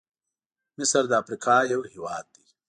مصرد افریقا یو هېواد دی.